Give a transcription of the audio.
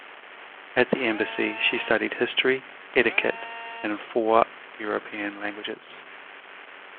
At the embassy she studied history, etiquette, and four European languages.